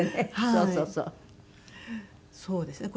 そうですね